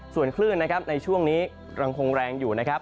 ส่วนคลื่นนะครับในช่วงนี้ยังคงแรงอยู่นะครับ